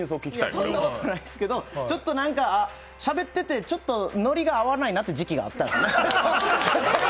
そんなことないんですけど、しゃべっていて、ノリが合わないなっていう時期があったんですね。